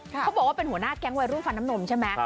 เขาบอกว่าเป็นหัวหน้าแก๊งวัยรุ่นฟันน้ำนมใช่ไหม